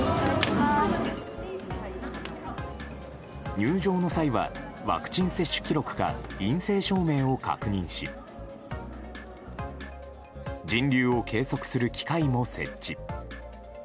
入場の際はワクチン接種記録か陰性証明を確認し人流を計測する機械も設置。